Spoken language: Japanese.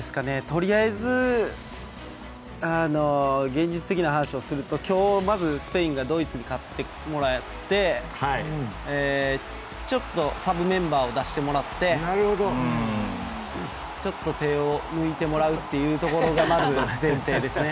とりあえず現実的な話をすると今日、まず、スペインがドイツに勝ってもらってちょっとサブメンバーを出してもらってちょっと手を抜いてもらうというところがまず前提ですね。